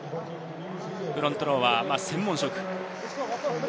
フロントローは専門職。